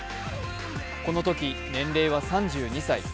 このとき、年齢は３２歳。